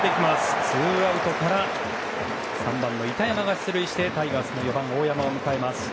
ツーアウトから３番の板山が出塁してタイガースの４番大山を迎えます。